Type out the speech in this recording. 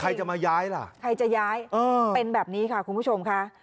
ใครจะมาย้ายล่ะใครจะย้ายเป็นแบบนี้ค่ะคุณผู้ชมค่ะ